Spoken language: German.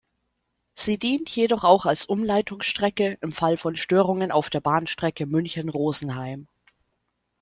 Sie dient jedoch auch als Umleitungsstrecke im Fall von Störungen auf der Bahnstrecke München–Rosenheim.